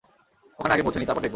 ওখানে আগে পৌঁছে নিই, তারপর দেখবো।